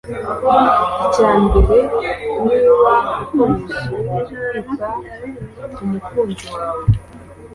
Icya mbere niba ukomeje kwita k’umukunzi wawe